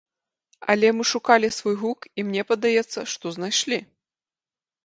Але мы шукалі свой гук і мне падаецца, што знайшлі.